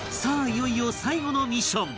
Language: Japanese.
いよいよ最後のミッション